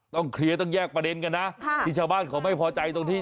เคลียร์ต้องแยกประเด็นกันนะที่ชาวบ้านเขาไม่พอใจตรงที่